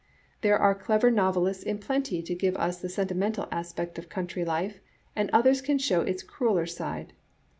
" There are clever novelists in plenty to give us the sentimental aspect of country life, and others can show its crueller side.